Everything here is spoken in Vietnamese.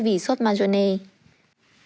vì sốt marjoram